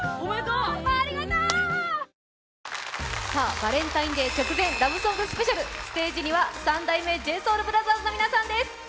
バレンタインデー直前ラブソングスペシャル、ステージには三代目ＪＳＯＵＬＢＲＯＴＨＥＲＳの皆さんです！